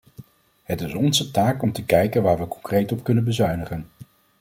Het is onze taak om te kijken waar we concreet op kunnen bezuinigen.